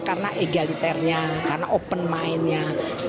karena egaliternya karena open mind